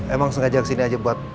emang sengaja kesini aja buat